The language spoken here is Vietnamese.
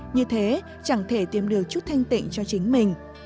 như thế chẳng thể tìm được chút thanh tịnh cho chính mình